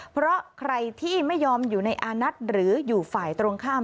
เพราะใครที่ไม่ยอมอยู่ในอานัทหรืออยู่ฝ่ายตรงข้าม